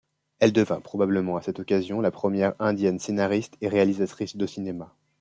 Elle devient probablement à cette occasion la première indienne scénariste et réalisatrice de cinéma.